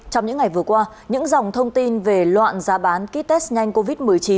trong những ngày vừa qua những dòng thông tin về loạn giá bán ký test nhanh covid một mươi chín